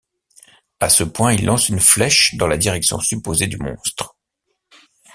À ce point, il lance une flèche dans la direction supposée du monstre.